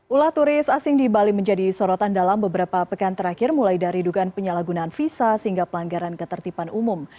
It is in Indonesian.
ulah turis asing di bali menjadi sorotan dalam beberapa pekan terakhir mulai dari dugaan penyalahgunaan visa sehingga pelanggaran ketertiban umum